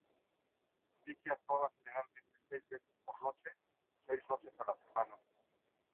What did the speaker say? Vicky actuaba generalmente seis veces por noche, seis noches a la semana.